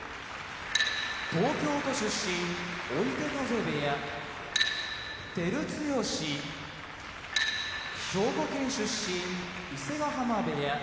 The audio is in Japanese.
東京都出身追手風部屋照強兵庫県出身伊勢ヶ濱部屋